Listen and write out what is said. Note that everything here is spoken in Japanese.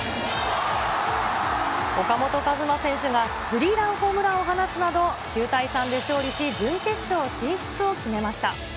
岡本和真選手がスリーランホームランを放つなど、９対３で勝利し、準決勝進出を決めました。